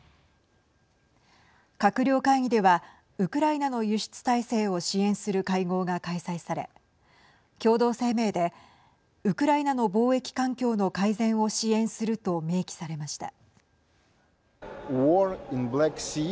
閣僚会議ではウクライナの輸出体制を支援する会合が開催され共同声明でウクライナの貿易環境の改善を支援すると明記されました。